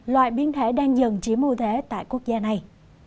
loại biến thể đang dần chiếm ưu thế tại quốc gia này